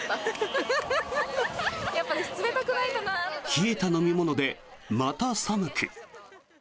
冷えた飲み物でまた寒く。